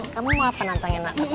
kamu mau apa nantangin anak kecil